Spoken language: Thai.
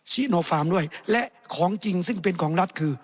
โนฟาร์มด้วยและของจริงซึ่งเป็นของรัฐคือ